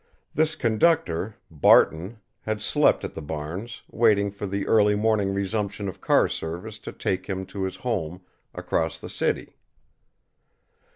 This conductor, Barton, had slept at the barns, waiting for the early morning resumption of car service to take him to his home across the city.